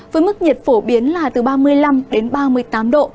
với mức nhiệt phổ biến là từ ba mươi năm đến ba mươi tám độ